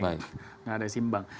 nggak ada yang simbang